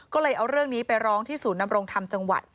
ก็เลยเอาเรื่องนี้ไปร้องที่ศูนย์นำรงธรรมจังหวัด